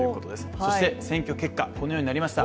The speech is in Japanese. そして選挙結果、このようになりました。